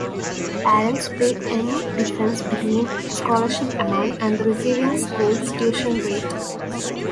Parents pay any difference between the scholarship amount and the receiving school's tuition rate.